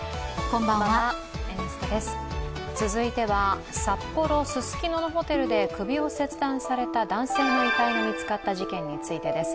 続いては札幌・ススキノのホテルで、首を切断された男性の遺体が見つかった事件についてです。